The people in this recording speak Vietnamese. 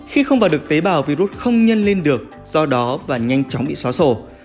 khi không vào được tế bào virus không nhân lên được do đó và nhanh chóng bị xóa sổ